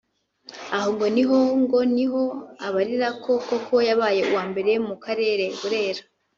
Aho ngo niho ngo niho abarira ko koko yabaye uwa mbere mu karere (Burera)